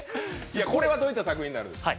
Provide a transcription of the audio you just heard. これはどういった作品になるんですか？